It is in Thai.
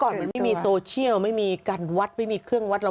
เพราะก่อนมันไม่มีโซเชียลไม่มีการวัดไม่มีเครื่องวัด